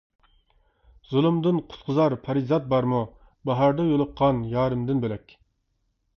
زۇلۇمدىن قۇتقۇزار پەرىزات بارمۇ، باھاردا يولۇققان يارىمدىن بۆلەك.